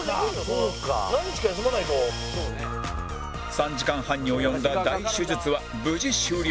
３時間半に及んだ大手術は無事終了